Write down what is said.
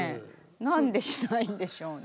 何でしないんでしょうね